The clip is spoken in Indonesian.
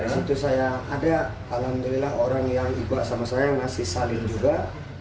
di situ saya ada alhamdulillah orang yang ibu sama saya masih saling juga